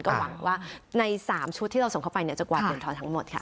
ก็หวังว่าใน๓ชุดที่เราส่งเข้าไปจะกวาดเงินทองทั้งหมดค่ะ